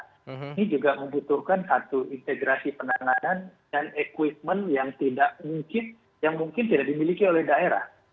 ini juga membutuhkan satu integrasi penanganan dan equipment yang mungkin tidak dimiliki oleh daerah